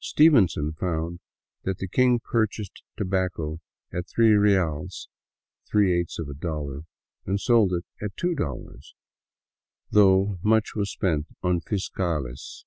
Stevenson found that the King purchased tobacco at three reals (three eighths of a dollar), and sold it at $2, though much was spent on Hscales.